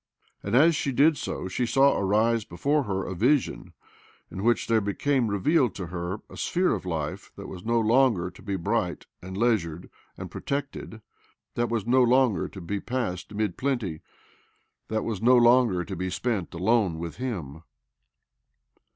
And as she did so she saw arise before her a vision in which there be came reveale^d to her a sphere of life that was no longer to be bright and leisured and protected, that was no longer to be passed amid plenty, that was no longer to be spent alone with him.